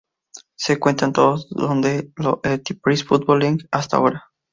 Se cuentan todos, desde la Enterprise Football League hasta ahora.